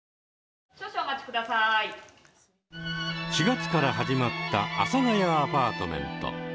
４月から始まった「阿佐ヶ谷アパートメント」。